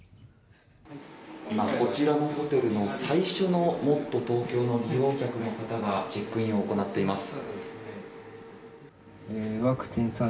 今、こちらのホテルの最初のもっとＴｏｋｙｏの利用客の方がチェックインを行っています。